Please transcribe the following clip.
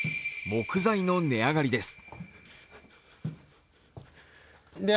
木材の値上がりです。